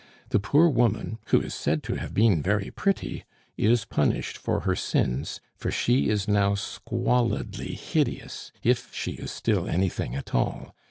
The poor woman, who is said to have been very pretty, is punished for her sins, for she is now squalidly hideous if she is still anything at all.